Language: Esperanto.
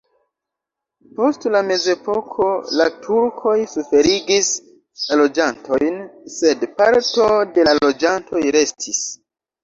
Post la mezepoko la turkoj suferigis la loĝantojn, sed parto de la loĝantoj restis.